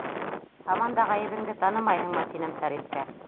— Һаман да ғәйебеңде танымайһыңмы? — тинем Фәриткә.